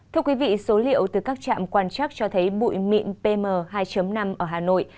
thưa quý vị số liệu từ các trạm quan chắc cho thấy bụi mịn pm hai năm ở hà nội